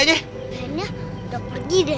kayanya udah pergi deh